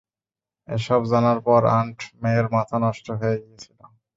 এসব জানার পর আন্ট মের মাথা নষ্ট হয়ে গিয়েছিল।